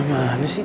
mereka mah anusik